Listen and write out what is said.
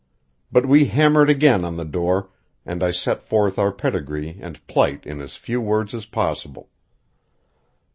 But we hammered again on the door, and I set forth our pedigree and plight in as few words as possible.